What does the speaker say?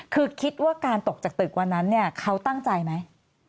คือคิดว่าการตกจากตึกวันนั้นเนี่ยเขาตั้งใจไหม